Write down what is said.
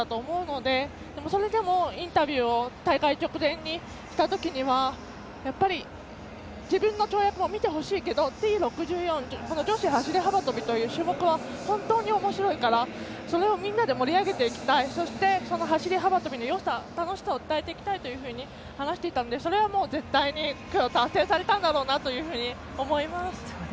でも、それでもインタビューを大会直前にしたときには自分の跳躍を見てほしいけどＴ６４女子走り幅跳びという種目は本当におもしろいからそれをみんなで盛り上げていきたいそして、その走り幅跳びのよさ楽しさを伝えていきたいと話していたのでそれは絶対に今日達成されたと思います。